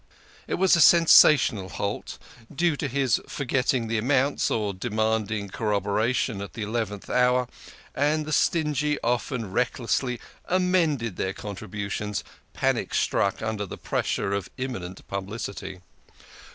It was a sensational halt, due to his forgetting the amounts or demanding corroboration at the eleventh hour, and the stingy often recklessly amended their contributions, panic struck under the pressure of imminent publicity.